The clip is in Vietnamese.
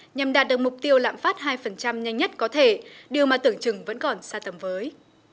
nhằm đạt được mục tiêu lạm phát hai nhanh nhất có thể điều mà tưởng chừng vẫn còn xa tầm với